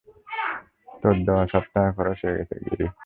তোর দেয়া সব টাকা খরচ হয়ে গেছে, গিরি।